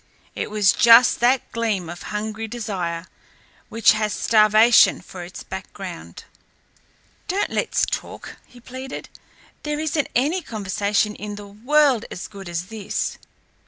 It was just that gleam of hungry desire which has starvation for its background. "Don't let's talk," he pleaded. "There isn't any conversation in the world as good as this."